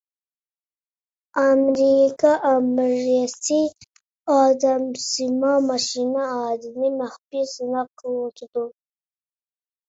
ئامېرىكا ئارمىيەسى ئادەمسىمان ماشىنا ئادەمنى مەخپىي سىناق قىلىۋاتىدۇ.